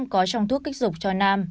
có trong thuốc kích dục cho nam